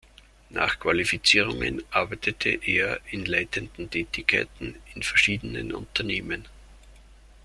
Nach Qualifizierungen arbeitete er in leitenden Tätigkeiten in verschiedenen Unternehmen.